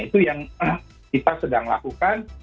itu yang kita sedang lakukan